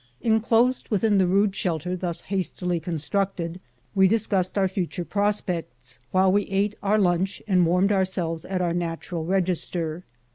Inclosed within the rude shelter thus hastily con structed, we discussed our future prospects while we ate our lunch and warmed ourselves at our natural regis ter.